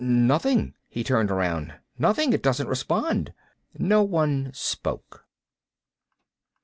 "Nothing." He turned around. "Nothing. It doesn't respond." No one spoke.